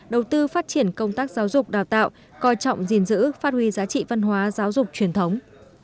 đầu tư phát triển công tác giáo dục đào tạo coi trọng gìn giữ phát huy giá trị văn hóa giáo dục truyền thống